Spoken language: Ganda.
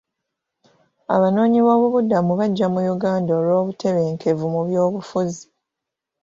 Abanoonyiboobubudamu bajja mu Uganda olw'obutebenkevu mu byobufuzi.